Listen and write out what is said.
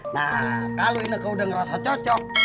nah kalau ineke udah ngerasa cocok